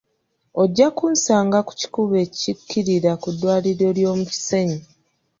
Ojja kunsanga ku kikubo ekikkirira ku ddwaliro ly'omu Kisenyi.